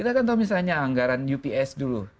kita kan tahu misalnya anggaran ups dulu